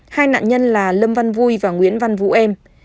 hai nạn nhân là lâm văn vui và nguyễn văn vũ em